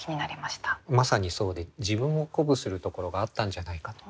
まさにそうで自分を鼓舞するところがあったんじゃないかと。